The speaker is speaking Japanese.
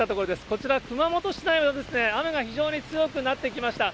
こちら、熊本市内は雨が非常に強くなってきました。